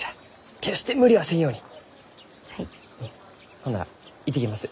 ほんなら行ってきます。